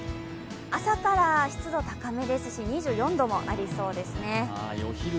朝から湿度高めですし２４度もありそうですね。